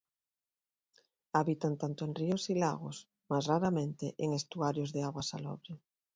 Habitan tanto en ríos y lagos, más raramente en estuarios de agua salobre.